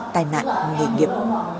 tai nạn nghề nghiệp